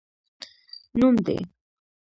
نوم دي؟